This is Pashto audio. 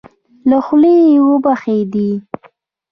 له خولې يې وبهېدې.